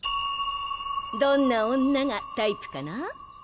どんな女がタイプかな？